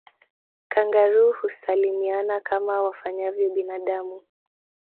Kangaroo husalimiana kama wafanyavyo binadamu